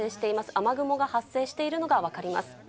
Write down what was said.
雨雲が発生しているのが分かります。